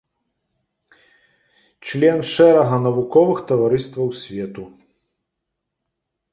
Член шэрага навуковых таварыстваў свету.